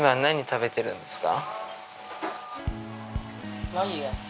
何食べるんですか？